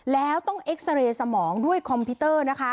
แล้วต้องเอ็กซาเรย์สมองด้วยคอมพิวเตอร์นะคะ